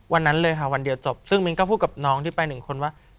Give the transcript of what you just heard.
วันนั้นเลยค่ะวันเดียวจบซึ่งมิ้นก็พูดกับน้องที่ไปหนึ่งคนว่า